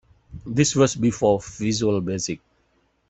This was before Visual Basic.